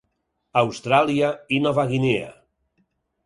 Austràlia i Nova Guinea.